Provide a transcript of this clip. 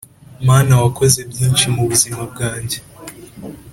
Mana wakoze byinshi mubuzima bwanjye